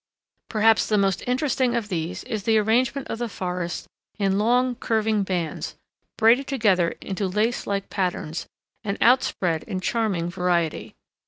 Perhaps the most interesting of these is the arrangement of the forests in long, curving bands, braided together into lace like patterns, and outspread in charming variety.